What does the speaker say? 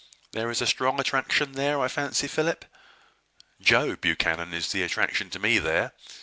There is a strong attraction there, I fancy, Philip." "Joe Buchanan is the attraction to me there.